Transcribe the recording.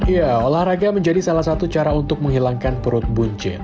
ya olahraga menjadi salah satu cara untuk menghilangkan perut buncit